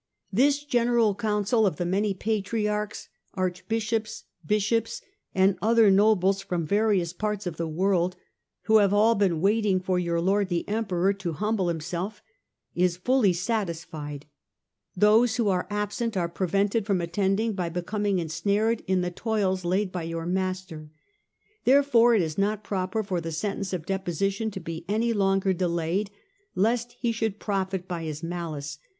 " This General Council of the many Patriarchs, Archbishops, Bishops, and other nobles from various parts of the world, who have all been waiting for your Lord the Emperor to humble himself, is fully satisfied ; those who are absent are prevented from attending by becoming ensnared in the toils laid by your master. Therefore it is not proper for the sentence of deposition to be any longer delayed, lest he should profit by his malice.